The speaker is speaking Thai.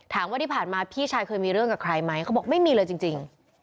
ถามว่าที่ผ่านมาพี่ชายเคยมีเรื่องกับใครไหมเขาบอกไม่มีเลยจริง